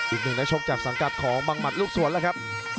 อีกหนึ่งนักชกจากสังกัดของบังหมัดลูกสวนแล้วครับ